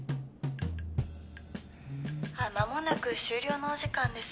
ふん「まもなく終了のお時間です」